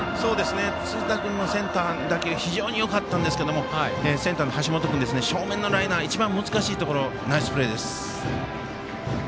辻田君の打球非常によかったんですがセンターの橋本君正面のライナー一番難しいところナイスプレーです。